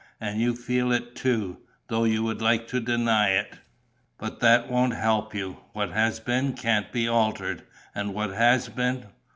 And you feel it too, though you would like to deny it. But that won't help you. What has been can't be altered; and what has been